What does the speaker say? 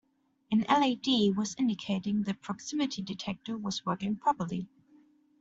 An LED was indicating the proximity detector was working properly.